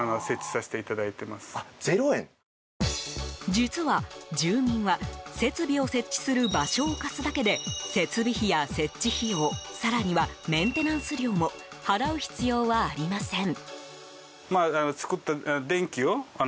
実は、住民は設備を設置する場所を貸すだけで設備費や設置費用更にはメンテナンス料も払う必要はありません。